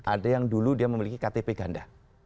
ada yang dulu dia memiliki ktp ganda